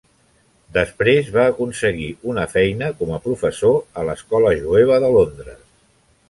Després va aconseguir una feina com professor a l"escola jueva de Londres.